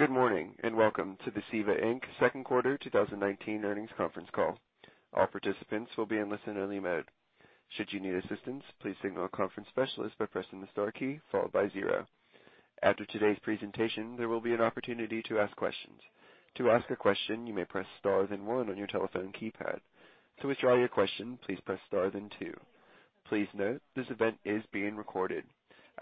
Good morning, welcome to the CEVA, Inc. second quarter 2019 earnings conference call. All participants will be in listen-only mode. Should you need assistance, please signal a conference specialist by pressing the star key followed by zero. After today's presentation, there will be an opportunity to ask questions. To ask a question, you may press star then one on your telephone keypad. To withdraw your question, please press star then two. Please note, this event is being recorded.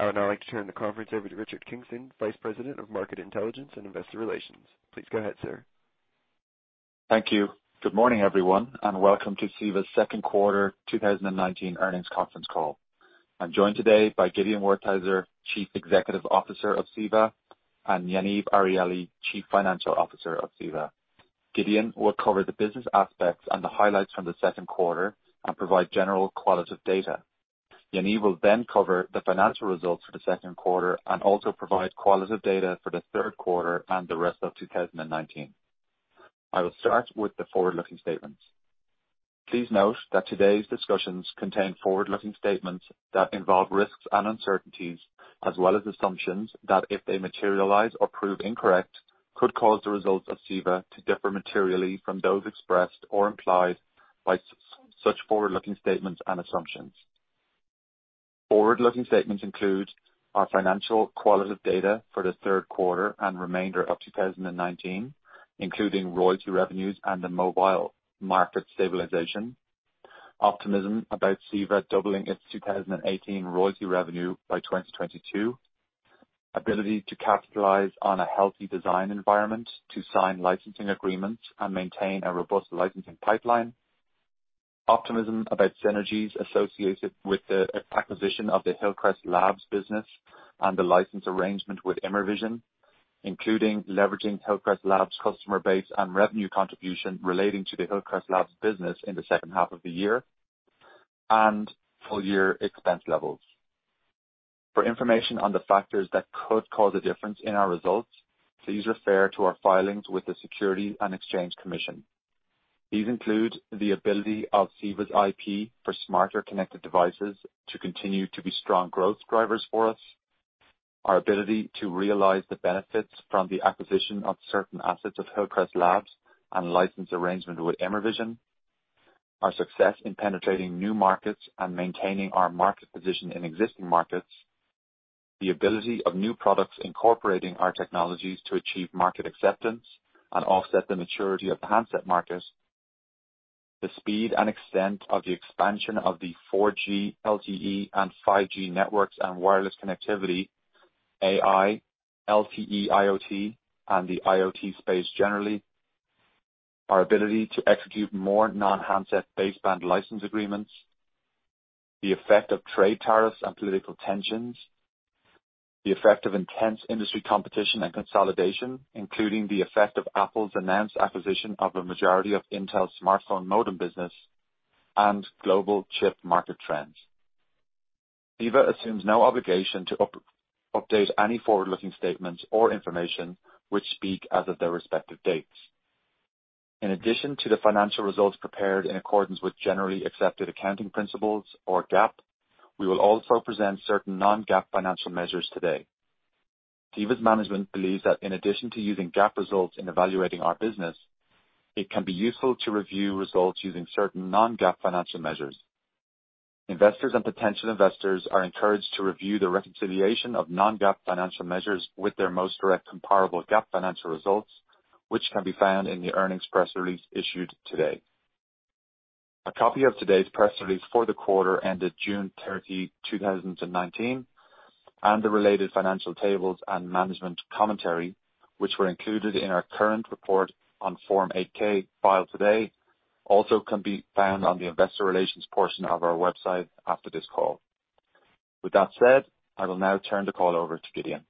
I would now like to turn the conference over to Richard Kingston, Vice President of Market Intelligence and Investor Relations. Please go ahead, sir. Thank you. Good morning, everyone, and welcome to CEVA's second quarter 2019 earnings conference call. I'm joined today by Gideon Wertheizer, Chief Executive Officer of CEVA, and Yaniv Arieli, Chief Financial Officer of CEVA. Gideon will cover the business aspects and the highlights from the second quarter and provide general qualitative data. Yaniv will cover the financial results for the second quarter and also provide qualitative data for the third quarter and the rest of 2019. I will start with the forward-looking statements. Please note that today's discussions contain forward-looking statements that involve risks and uncertainties, as well as assumptions that, if they materialize or prove incorrect, could cause the results of CEVA to differ materially from those expressed or implied by such forward-looking statements and assumptions. Forward-looking statements include our financial qualitative data for the third quarter and remainder of 2019, including royalty revenues and the mobile market stabilization, optimism about CEVA doubling its 2018 royalty revenue by 2022, ability to capitalize on a healthy design environment to sign licensing agreements and maintain a robust licensing pipeline, optimism about synergies associated with the acquisition of the Hillcrest Labs business, and the license arrangement with Immervision, including leveraging Hillcrest Labs' customer base and revenue contribution relating to the Hillcrest Labs business in the second half of the year, and full-year expense levels. For information on the factors that could cause a difference in our results, please refer to our filings with the Securities and Exchange Commission. These include the ability of CEVA's IP for smarter connected devices to continue to be strong growth drivers for us, our ability to realize the benefits from the acquisition of certain assets of Hillcrest Labs and license arrangement with Immervision, our success in penetrating new markets and maintaining our market position in existing markets, the ability of new products incorporating our technologies to achieve market acceptance and offset the maturity of the handset market, the speed and extent of the expansion of the 4G LTE and 5G networks and wireless connectivity, AI, LTE IoT, and the IoT space generally, our ability to execute more non-handset baseband license agreements, the effect of trade tariffs and political tensions, the effect of intense industry competition and consolidation, including the effect of Apple's announced acquisition of a majority of Intel's smartphone modem business, and global chip market trends. CEVA assumes no obligation to update any forward-looking statements or information which speak as of their respective dates. In addition to the financial results prepared in accordance with generally accepted accounting principles or GAAP, we will also present certain non-GAAP financial measures today. CEVA's management believes that in addition to using GAAP results in evaluating our business, it can be useful to review results using certain non-GAAP financial measures. Investors and potential investors are encouraged to review the reconciliation of non-GAAP financial measures with their most direct comparable GAAP financial results, which can be found in the earnings press release issued today. A copy of today's press release for the quarter ended June 30, 2019, and the related financial tables and management commentary, which were included in our current report on Form 8-K filed today, also can be found on the investor relations portion of our website after this call. With that said, I will now turn the call over to Gideon.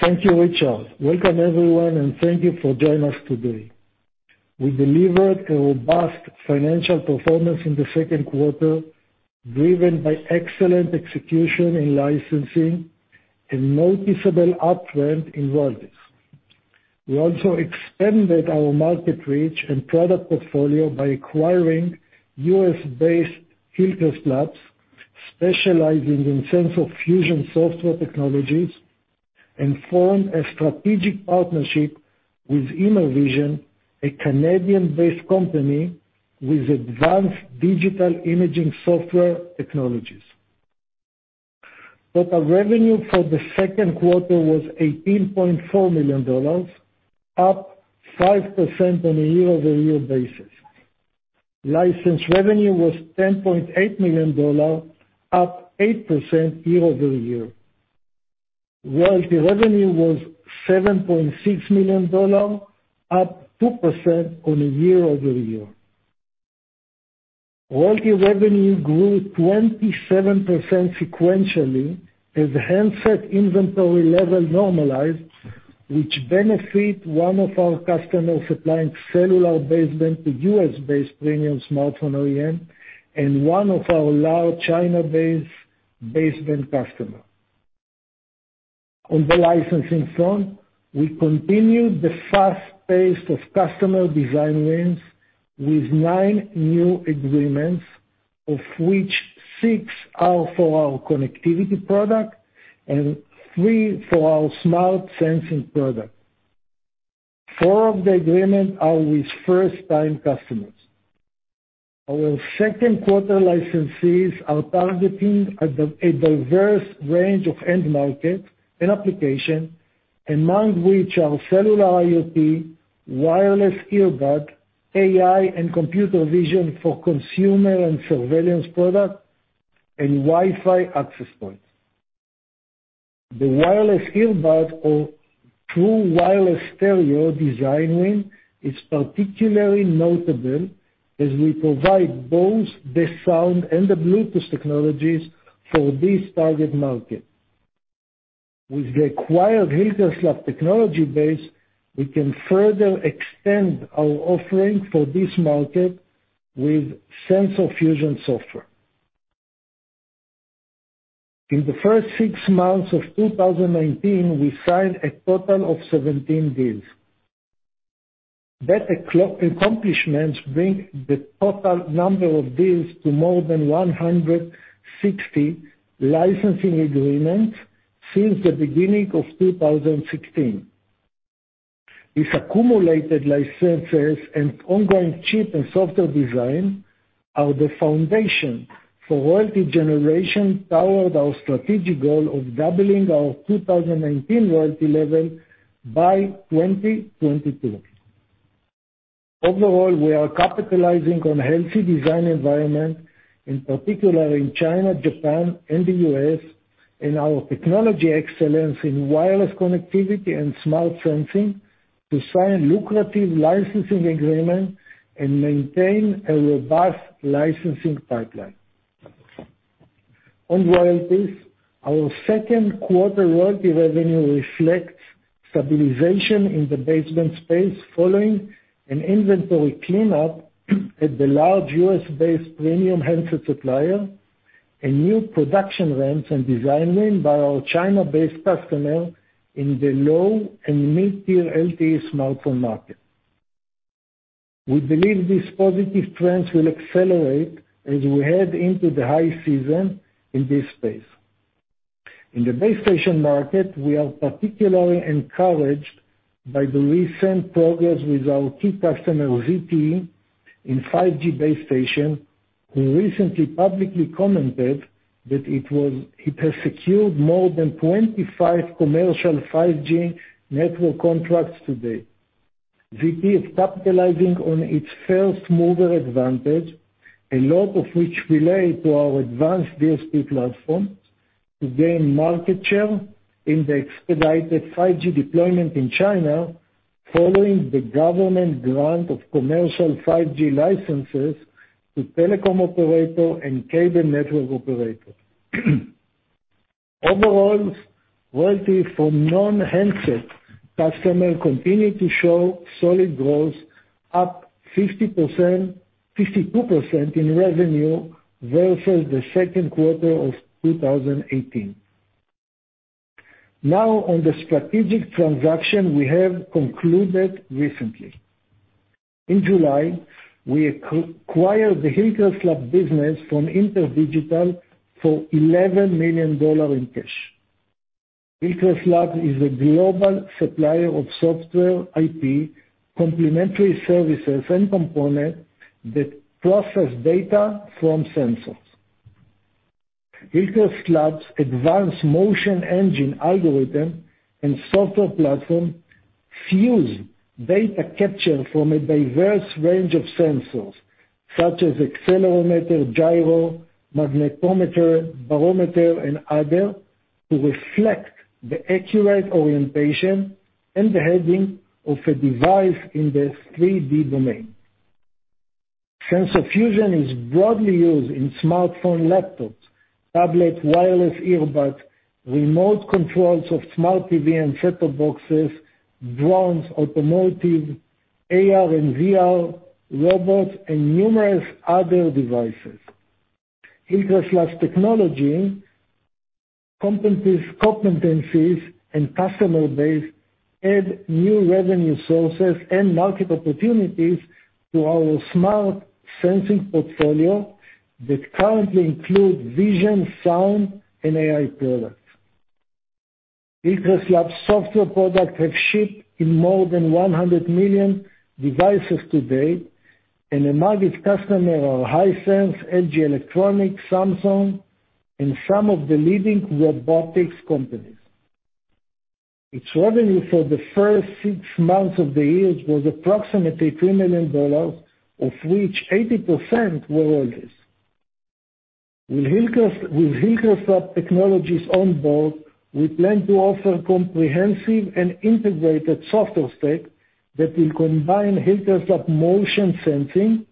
Thank you, Richard. Welcome everyone, and thank you for joining us today. We delivered a robust financial performance in the second quarter, driven by excellent execution in licensing, a noticeable uptrend in royalties. We also expanded our market reach and product portfolio by acquiring U.S.-based Hillcrest Labs, specializing in sensor fusion software technologies, and formed a strategic partnership with Immervision, a Canadian-based company with advanced digital imaging software technologies. Total revenue for the second quarter was $18.4 million, up 5% on a year-over-year basis. License revenue was $10.8 million, up 8% year-over-year. Royalty revenue was $7.6 million, up 2% on a year-over-year. Royalty revenue grew 27% sequentially as handset inventory levels normalized, which benefit one of our customers supplying cellular baseband to U.S.-based premium smartphone OEM and one of our large China-based baseband customer. On the licensing front, we continued the fast pace of customer design wins with nine new agreements. Of which six are for our connectivity product and three for our smart sensing product. Four of the agreements are with first-time customers. Our second quarter licensees are targeting a diverse range of end markets and application, among which are cellular IoT, wireless earbud, AI and computer vision for consumer and surveillance product, and Wi-Fi access points. The wireless earbud or True Wireless Stereo design win is particularly notable as we provide both the sound and the Bluetooth technologies for this target market. With the acquired Hillcrest Labs technology base, we can further extend our offering for this market with Sensor fusion software. In the first six months of 2019, we signed a total of 17 deals. That accomplishment brings the total number of deals to more than 160 licensing agreements since the beginning of 2016. These accumulated licenses and ongoing chip and software design are the foundation for royalty generation toward our strategic goal of doubling our 2019 royalty level by 2022. Overall, we are capitalizing on healthy design environment, in particular in China, Japan, and the U.S., and our technology excellence in wireless connectivity and smart sensing to sign lucrative licensing agreement and maintain a robust licensing pipeline. On royalties, our second quarter royalty revenue reflects stabilization in the baseband space following an inventory cleanup at the large U.S.-based premium handset supplier, a new production wins and design win by our China-based customer in the low and mid-tier LTE smartphone market. We believe these positive trends will accelerate as we head into the high season in this space. In the base station market, we are particularly encouraged by the recent progress with our key customer, ZTE, in 5G base station, who recently publicly commented that it has secured more than 25 commercial 5G network contracts to date. ZTE is capitalizing on its first-mover advantage, a lot of which relate to our advanced DSP platform, to gain market share in the expedited 5G deployment in China, following the government grant of commercial 5G licenses to telecom operator and cable network operator. Overall, royalty from non-handset customers continued to show solid growth, up 52% in revenue versus the second quarter of 2018. On the strategic transaction we have concluded recently. In July, we acquired the Hillcrest Labs business from InterDigital for $11 million in cash. Hillcrest Labs is a global supplier of software IP, complementary services, and components that process data from sensors. Hillcrest Labs' advanced motion engine algorithm and software platform fuse data captured from a diverse range of sensors, such as accelerometer, gyro, magnetometer, barometer, and other, to reflect the accurate orientation and the heading of a device in the 3D domain. Sensor fusion is broadly used in smartphone, laptops, tablet, wireless earbuds, remote controls of smart TV and set-top boxes, drones, automotive, AR and VR, robots, and numerous other devices. Hillcrest Labs' technology, competencies, and customer base add new revenue sources and market opportunities to our smart sensing portfolio that currently include vision, sound, and AI products. Hillcrest Labs software products have shipped in more than 100 million devices to date, and among its customers are Hisense, LG Electronics, Samsung, and some of the leading robotics companies. Its revenue for the first six months of the year was approximately $3 million, of which 80% were royalties. With Hillcrest Labs technologies on board, we plan to offer comprehensive and integrated software stack that will combine Hillcrest Labs motion sensing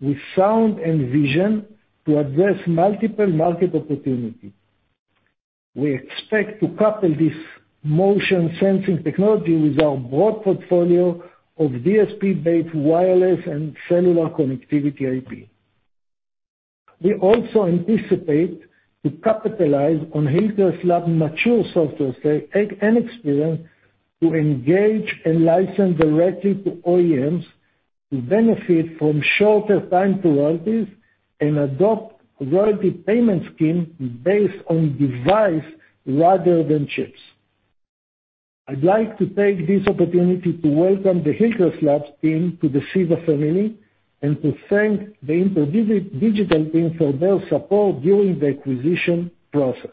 with sound and vision to address multiple market opportunities. We expect to couple this motion sensing technology with our broad portfolio of DSP-based wireless and cellular connectivity IP. We also anticipate to capitalize on Hillcrest Labs' mature software stack and experience to engage and license directly to OEMs, to benefit from shorter time to royalties, and adopt a royalty payment scheme based on device rather than chips. I'd like to take this opportunity to welcome the Hillcrest Labs team to the CEVA family and to thank the InterDigital team for their support during the acquisition process.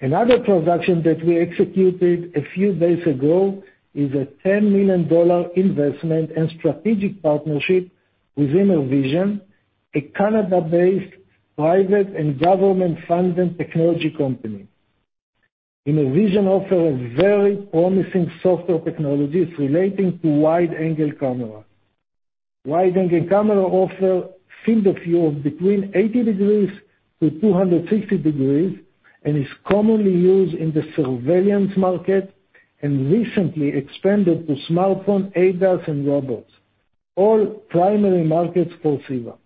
Another transaction that we executed a few days ago is a $10 million investment and strategic partnership with Immervision, a Canada-based private and government-funded technology company. Immervision offers very promising software technologies relating to wide-angle camera. Wide-angle camera offer field of view of between 80 degrees to 260 degrees and is commonly used in the surveillance market and recently expanded to smartphone ADAS and robots, all primary markets for CEVA.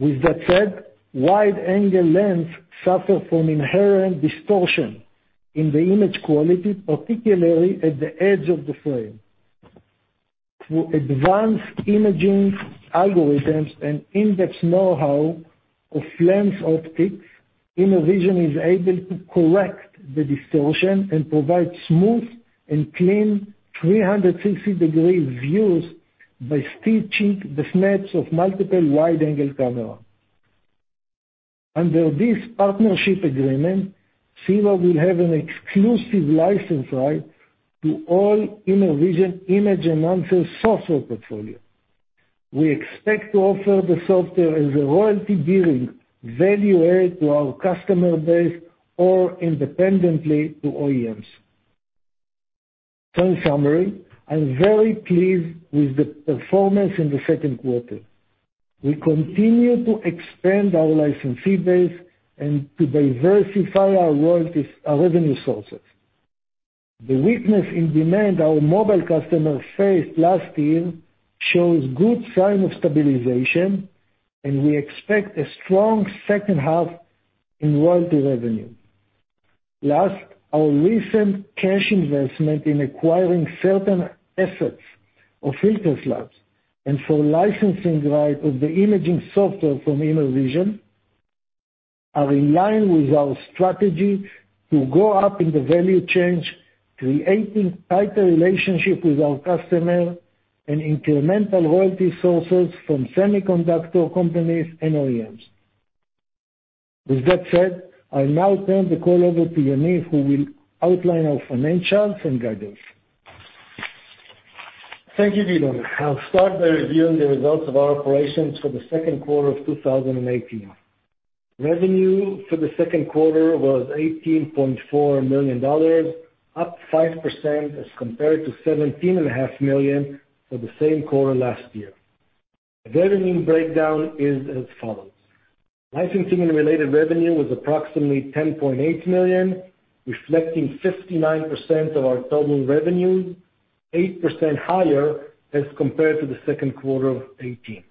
With that said, wide-angle lens suffer from inherent distortion in the image quality, particularly at the edge of the frame. Through advanced imaging algorithms and in-depth know-how of lens optics, Immervision is able to correct the distortion and provide smooth and clean 360-degree views by stitching the snaps of multiple wide-angle camera. Under this partnership agreement, CEVA will have an exclusive license right to all Immervision image enhancer software portfolio. We expect to offer the software as a royalty-bearing value add to our customer base or independently to OEMs. In summary, I'm very pleased with the performance in the second quarter. We continue to expand our licensee base and to diversify our royalties, our revenue sources. The weakness in demand our mobile customers faced last year shows good sign of stabilization, and we expect a strong second half in royalty revenue. Our recent cash investment in acquiring certain assets of Hillcrest Labs and for licensing right of the imaging software from Immervision are in line with our strategy to go up in the value chain, creating tighter relationship with our customer and incremental royalty sources from semiconductor companies and OEMs. With that said, I'll now turn the call over to Yaniv, who will outline our financials and guidance. Thank you, Gideon. I'll start by reviewing the results of our operations for the second quarter of 2018. Revenue for the second quarter was $18.4 million, up 5% as compared to $17.5 million for the same quarter last year. The revenue breakdown is as follows: licensing and related revenue was approximately $10.8 million, reflecting 59% of our total revenue, 8% higher as compared to the second quarter of 2018.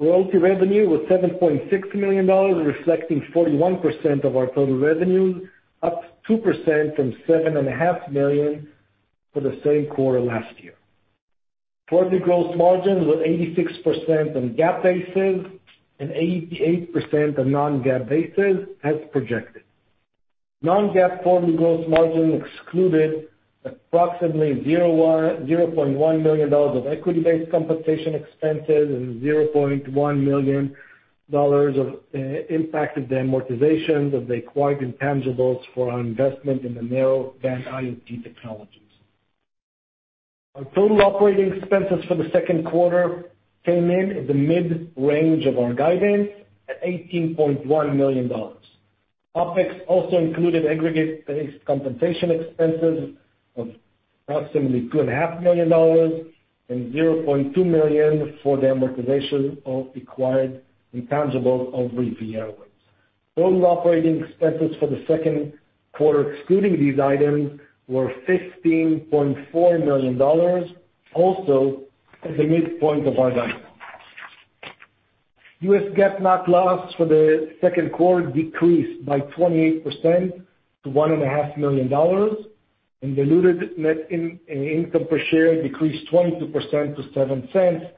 Royalty revenue was $7.6 million, reflecting 41% of our total revenue, up 2% from $7.5 million for the same quarter last year. Gross margin was 86% on GAAP basis and 88% on non-GAAP basis as projected. Non-GAAP form of gross margin excluded approximately $0.1 million of equity-based compensation expenses and $0.1 million of impact of the amortization of the acquired intangibles for our investment in the Narrowband IoT technologies. Our total operating expenses for the second quarter came in at the mid-range of our guidance at $18.1 million. OpEx also included aggregate-based compensation expenses of approximately $2.5 million and $0.2 million for the amortization of acquired intangibles of RivieraWaves. Total operating expenses for the second quarter, excluding these items, were $15.4 million, also at the midpoint of our guidance. U.S. GAAP net loss for the second quarter decreased by 28% to $1.5 million, and diluted net income per share decreased 22% to $0.07,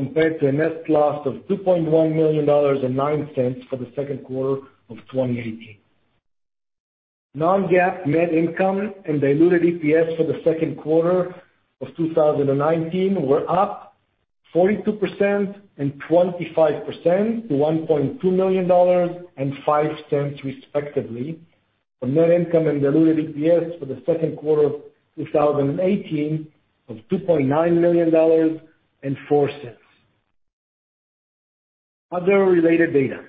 compared to a net loss of $2.1 million and $0.09 for the second quarter of 2018. Non-GAAP net income and diluted EPS for the second quarter of 2019 were up 42% and 25% to $1.2 million and $0.05 respectively, from net income and diluted EPS for the second quarter of 2018 of $2.9 million and $0.04. Other related data.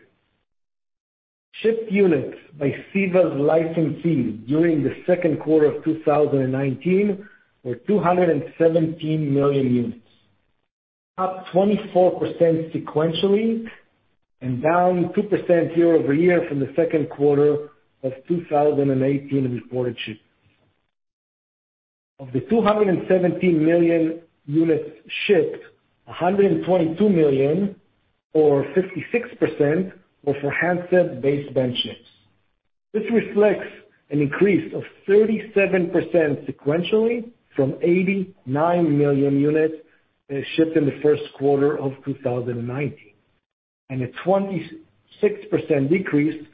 Shipped units by CEVA's licensees during the second quarter of 2019 were 217 million units, up 24% sequentially and down 2% year-over-year from the second quarter of 2018 reported shipped. Of the 217 million units shipped, 122 million or 56% were for handset baseband chips. This reflects an increase of 37% sequentially from 89 million units shipped in the first quarter of 2019, and a 26% decrease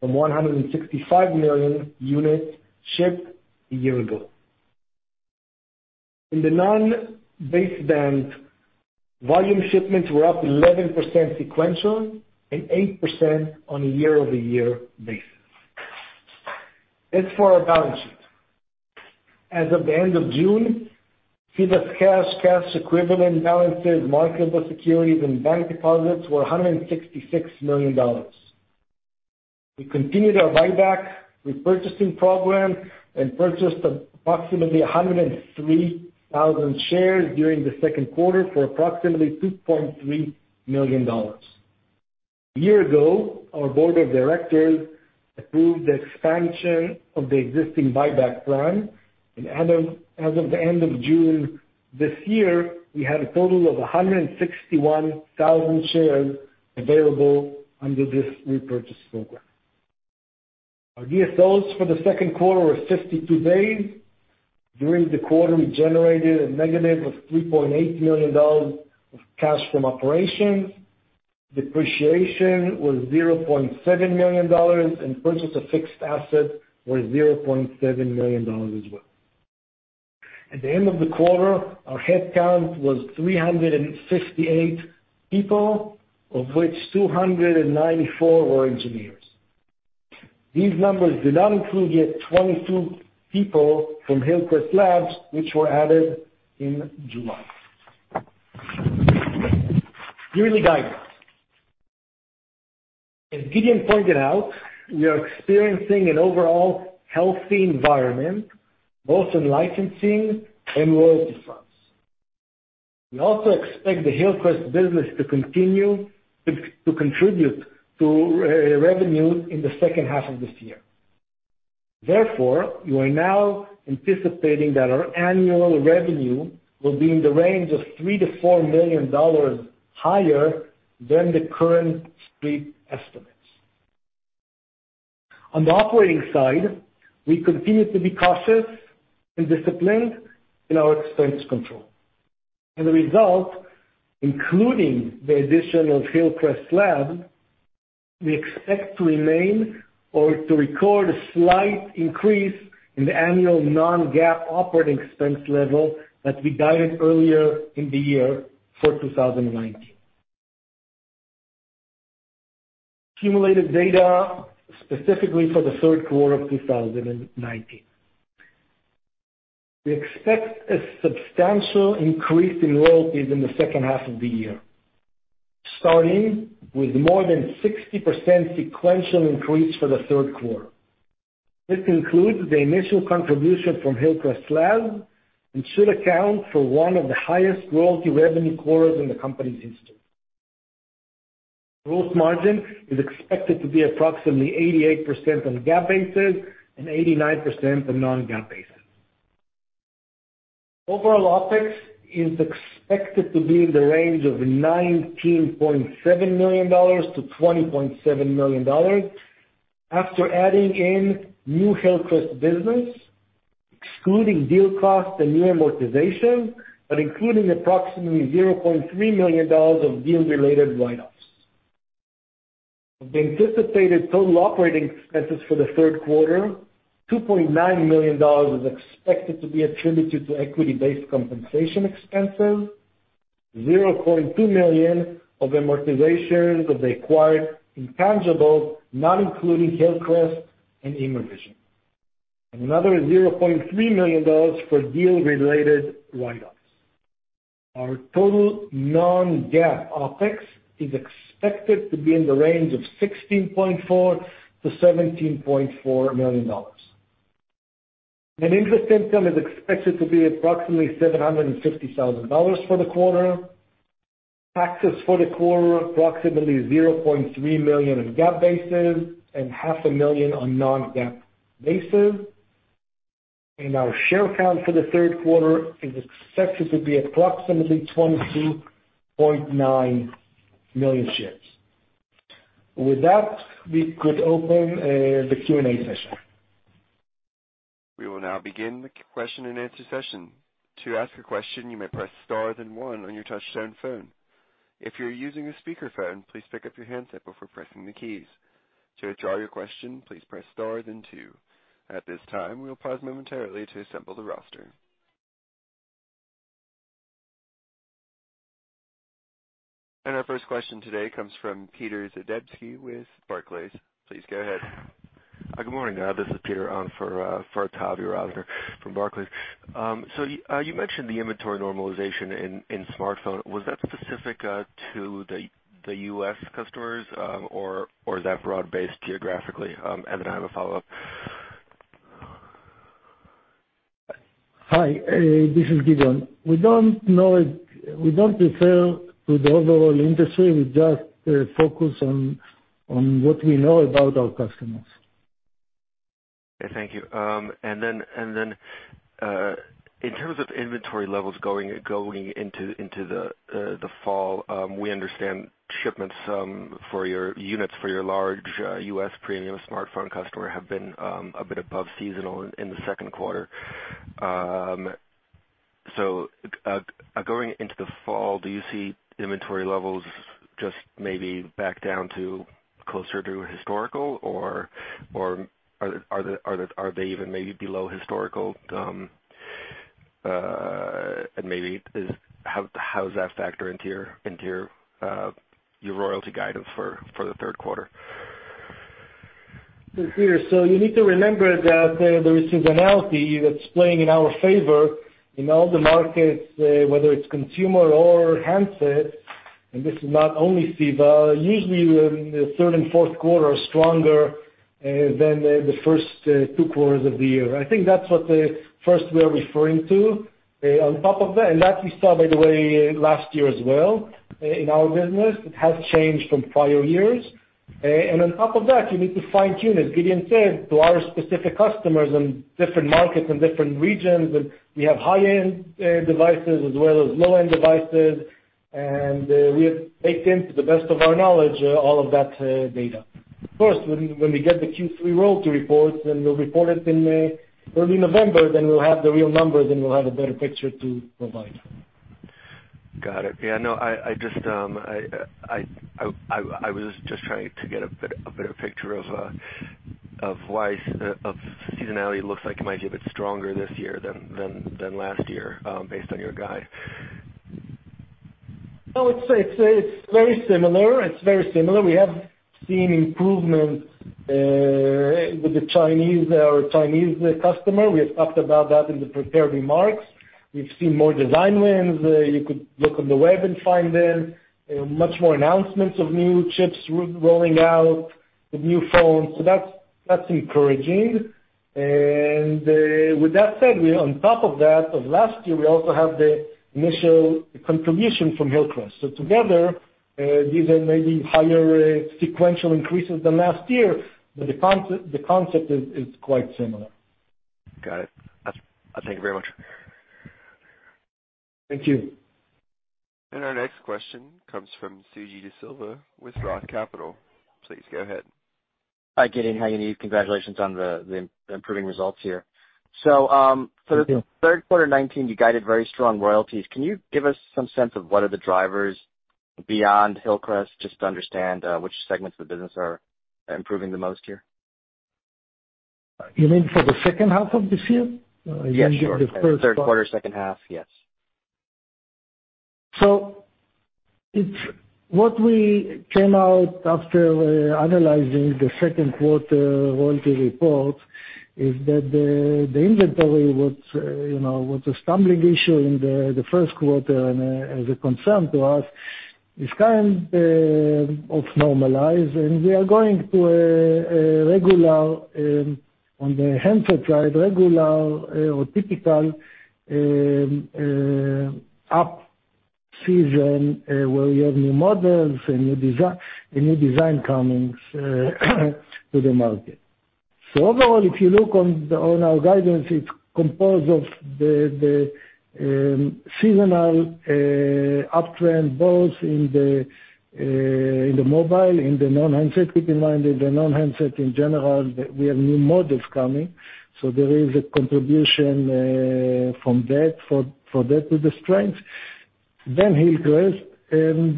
from 165 million units shipped a year ago. In the non-baseband, volume shipments were up 11% sequential and 8% on a year-over-year basis. As for our balance sheet. As of the end of June, CEVA's cash equivalent balances, marketable securities, and bank deposits were $166 million. We continued our buyback repurchasing program and purchased approximately 103,000 shares during the second quarter for approximately $2.3 million. A year ago, our board of directors approved the expansion of the existing buyback plan, and as of the end of June this year, we had a total of 161,000 shares available under this repurchase program. Our DSOs for the second quarter were 52 days. During the quarter, we generated a negative of $3.8 million of cash from operations. Depreciation was $0.7 million, and purchase of fixed assets was $0.7 million as well. At the end of the quarter, our headcount was 358 people, of which 294 were engineers. These numbers did not include yet 22 people from Hillcrest Labs, which were added in July. Yearly guidance. As Gideon pointed out, we are experiencing an overall healthy environment both in licensing and royalty fronts. We also expect the Hillcrest business to contribute to revenue in the second half of this year. We are now anticipating that our annual revenue will be in the range of $3 million-$4 million higher than the current Street estimates. We continue to be cautious and disciplined in our expense control. Including the addition of Hillcrest Labs, we expect to record a slight increase in the annual non-GAAP operating expense level that we guided earlier in the year for 2019. Accumulated data specifically for the third quarter of 2019, we expect a substantial increase in royalties in the second half of the year, starting with more than 60% sequential increase for the third quarter. This includes the initial contribution from Hillcrest Labs and should account for one of the highest royalty revenue quarters in the company's history. Gross margin is expected to be approximately 88% on GAAP basis and 89% on non-GAAP basis. Overall OpEx is expected to be in the range of $19.7 million-$20.7 million after adding in new Hillcrest business, excluding deal costs and new amortization, but including approximately $0.3 million of deal-related write-offs. Of the anticipated total operating expenses for the third quarter, $2.9 million is expected to be attributed to equity-based compensation expenses, $0.2 million of amortization of the acquired intangibles, not including Hillcrest and Immervision. $0.3 million for deal-related write-offs. Our total non-GAAP OpEx is expected to be in the range of $16.4 million-$17.4 million. Net interest income is expected to be approximately $750,000 for the quarter. Taxes for the quarter, approximately $0.3 million on GAAP basis and $half a million on non-GAAP basis. Our share count for the third quarter is expected to be approximately 22.9 million shares. With that, we could open the Q&A session. We will now begin the question-and-answer session. To ask a question, you may press star then one on your touch-tone phone. If you're using a speakerphone, please pick up your handset before pressing the keys. To withdraw your question, please press star then two. At this time, we'll pause momentarily to assemble the roster. Our first question today comes from Peter Zhadanovskiy with Barclays. Please go ahead. Good morning. This is Peter for Tavi Vasan from Barclays. You mentioned the inventory normalization in smartphone. Was that specific to the U.S. customers? Is that broad-based geographically? I have a follow-up. Hi, this is Gideon. We don't refer to the overall industry. We just focus on. On what we know about our customers. Thank you. In terms of inventory levels going into the fall, we understand shipments for your units, for your large U.S. premium smartphone customer have been a bit above seasonal in the second quarter. Going into the fall, do you see inventory levels just maybe back down to closer to historical, or are they even maybe below historical? Maybe how does that factor into your royalty guidance for the third quarter? You need to remember that there is seasonality that's playing in our favor in all the markets, whether it's consumer or handset, and this is not only CEVA. Usually, the third and fourth quarter are stronger than the first two quarters of the year. I think that's what first we are referring to. That we saw, by the way, last year as well in our business. It has changed from prior years. On top of that, you need to fine-tune, as Gideon said, to our specific customers in different markets and different regions. We have high-end devices as well as low-end devices, and we have baked into the best of our knowledge, all of that data. Of course, when we get the Q3 royalty reports, then we'll report it in early November, then we'll have the real numbers, and we'll have a better picture to provide. Got it. Yeah. I was just trying to get a better picture of seasonality. Looks like it might be a bit stronger this year than last year based on your guide. No, it's very similar. We have seen improvement with our Chinese customer. We have talked about that in the prepared remarks. We've seen more design wins. You could look on the web and find them, much more announcements of new chips rolling out with new phones. That's encouraging. With that said, on top of that, of last year, we also have the initial contribution from Hillcrest. Together, these are maybe higher sequential increases than last year, but the concept is quite similar. Got it. Thank you very much. Thank you. Our next question comes from Suji Desilva with ROTH Capital. Please go ahead. Hi, Gideon. Hi, Yaniv. Congratulations on the improving results here. Thank you. For the third quarter 2019, you guided very strong royalties. Can you give us some sense of what are the drivers beyond Hillcrest, just to understand which segments of the business are improving the most here? You mean for the second half of this year? Yes, sure. Third quarter, second half, yes. What we came out after analyzing the second quarter royalty report is that the inventory, what the stumbling issue in the first quarter and as a concern to us, is kind of normalized, and we are going to, on the handset side, regular or typical up season, where we have new models and new design coming to the market. Overall, if you look on our guidance, it's composed of the seasonal uptrend, both in the mobile, in the non-handset. Keep in mind that the non-handset in general, we have new models coming, so there is a contribution from that to the strength. Hillcrest and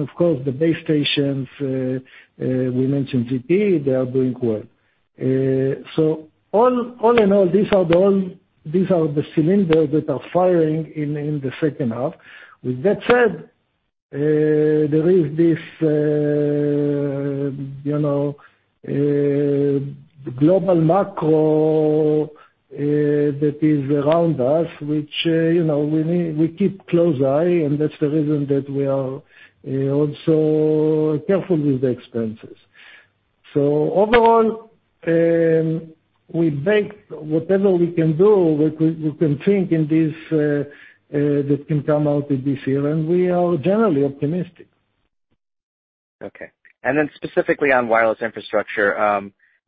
of course, the base stations, we mentioned ZTE, they are doing well. All in all, these are the cylinders that are firing in the second half. With that said, there is this global macro that is around us, which we keep close eye. That's the reason that we are also careful with the expenses. Overall, we bake whatever we can do, we can think that can come out in this year. We are generally optimistic. Okay. Specifically on wireless infrastructure,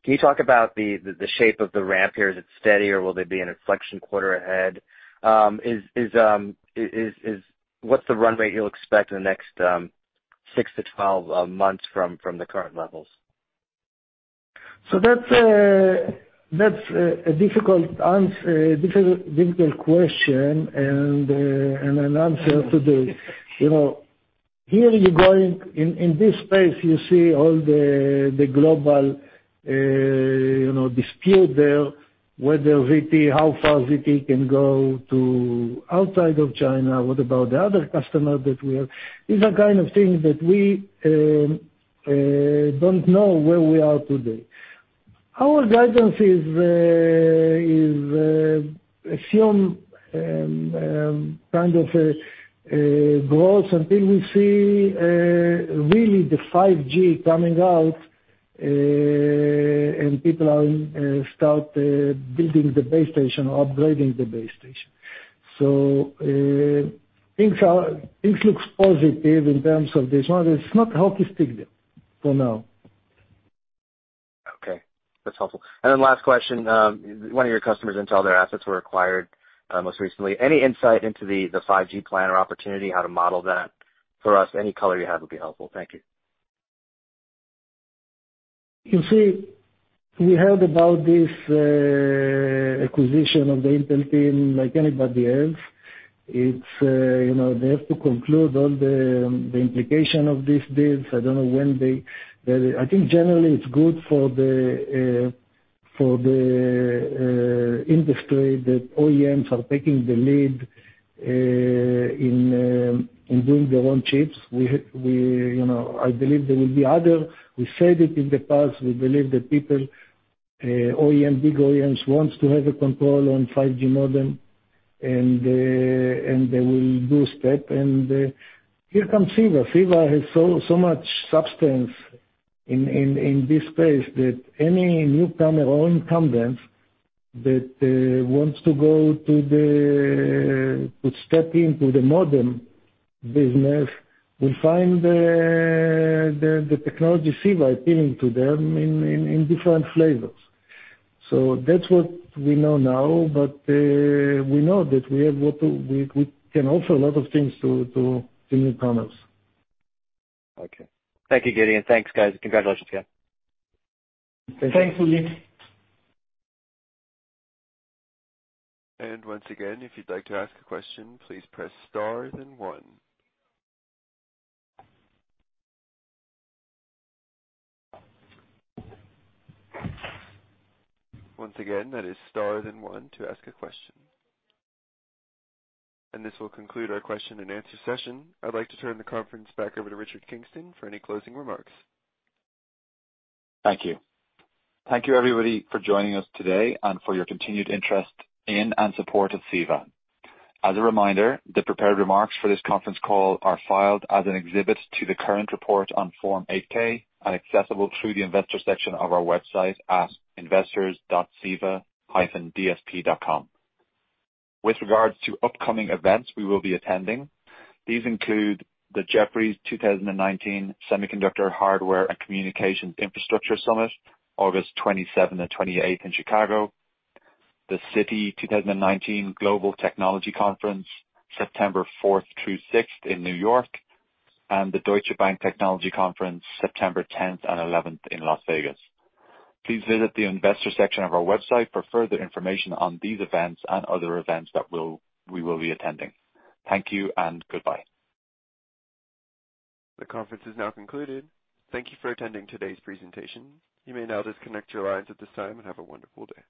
can you talk about the shape of the ramp here? Is it steady or will there be an inflection quarter ahead? What's the runway you'll expect in the next six to 12 months from the current levels? That's a difficult question. Here you're going in this space, you see all the global dispute there, whether ZTE, how far ZTE can go to outside of China. What about the other customer that we have? These are kind of things that we don't know where we are today. Our guidance is assume kind of a growth until we see really the 5G coming out, and people start building the base station or upgrading the base station. Things looks positive in terms of this one. It's not how to stick there for now. Okay, that's helpful. Last question. One of your customers, Intel, their assets were acquired, most recently. Any insight into the 5G plan or opportunity how to model that for us? Any color you have would be helpful. Thank you. You see, we heard about this acquisition of the Intel team like anybody else. They have to conclude all the implications of this deal. I don't know when. I think generally it's good for the industry that OEMs are taking the lead in doing their own chips. I believe there will be others. We said it in the past, we believe the big OEMs want to have a control on 5G modem, they will do step. Here comes CEVA. CEVA has so much substance in this space that any newcomer or incumbents that want to step into the modem business will find the technology CEVA appealing to them in different flavors. That's what we know now, but we know that we can offer a lot of things to newcomers. Okay. Thank you, Gideon. Thanks, guys. Congratulations again. Thanks, Suji. Once again, if you'd like to ask a question, please press star then one. Once again, that is star then one to ask a question. This will conclude our question and answer session. I'd like to turn the conference back over to Richard Kingston for any closing remarks. Thank you. Thank you everybody for joining us today and for your continued interest in and support of CEVA. As a reminder, the prepared remarks for this conference call are filed as an exhibit to the current report on Form 8-K and accessible through the investor section of our website at investors.ceva-dsp.com. With regards to upcoming events we will be attending, these include the Jefferies 2019 Semiconductor, Hardware, and Communications Infrastructure Summit, August 27th and 28th in Chicago, the Citi 2019 Global Technology Conference, September 4th through 6th in New York. The Deutsche Bank Technology Conference, September 10th and 11th in Las Vegas. Please visit the investor section of our website for further information on these events and other events that we will be attending. Thank you and goodbye. The conference is now concluded. Thank you for attending today's presentation. You may now disconnect your lines at this time and have a wonderful day.